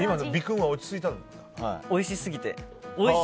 おいしすぎて。